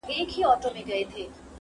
اور ته وچ او لانده يو دي.